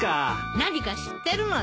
何か知ってるのね？